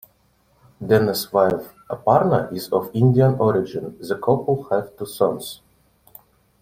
Danna's wife Aparna is of Indian origin; the couple have two sons.